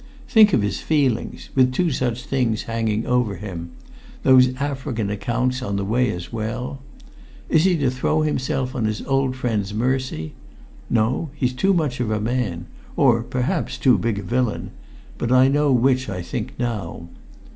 Think of his feelings with two such things hanging over him those African accounts on the way as well! Is he to throw himself on his old friend's mercy? No; he's too much of a man, or perhaps too big a villain but I know which I think now.